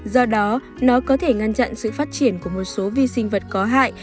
do đó nó có thể ngăn chặn sự phát triển của một số vi sinh vật có hại